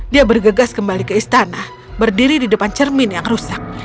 dia bergegas kembali ke istana berdiri di depan cermin yang rusak